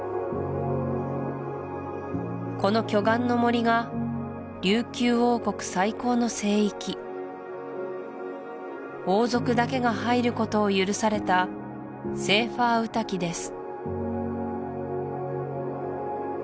この巨岩の森が琉球王国最高の聖域王族だけが入ることを許された斎場御嶽です